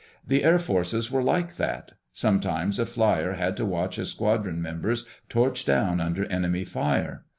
The Air Forces were like that. Sometimes a flier had to watch his squadron members torch down under enemy fire.